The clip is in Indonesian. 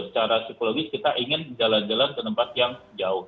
secara psikologis kita ingin jalan jalan ke tempat yang jauh